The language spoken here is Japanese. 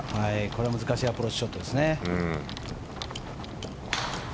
これは難しいアプローチショットですね。